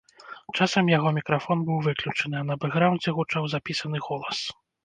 Часам яго мікрафон быў выключаны, а на бэкграўндзе гучаў запісаны голас.